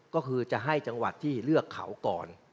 ก็คือจะให้จังหวัดที่เลือกเขาก่อน